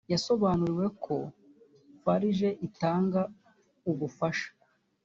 yasobanuriwe ko farg itanga ubufasha